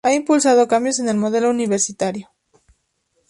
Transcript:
Ha impulsado cambios en el modelo universitario.